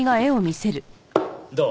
どう？